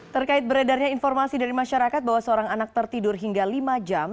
terkait beredarnya informasi dari masyarakat bahwa seorang anak tertidur hingga lima jam